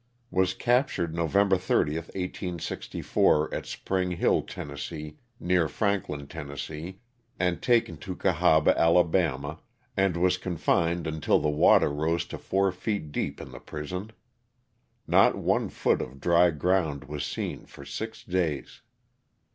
Was captured November 30, 1864, at Spring Hill, Tenn., near Franklin, Tenn., and taken to Cahaba, Ala., and was confined until the water rose to four feet deep in the prison; not one foot of dry ground was seen for six days.